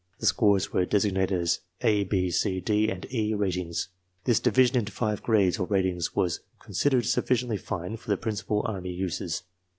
The scores were designated as A, B, C, D, and E ratings. This division into five grades or ratings was con sidered sufficiently fine for the principal army uses.